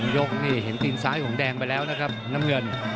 ยกนี่เห็นตีนซ้ายของแดงไปแล้วนะครับน้ำเงิน